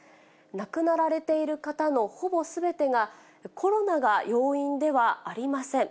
亡くなられている方のほぼすべてがコロナが要因ではありません。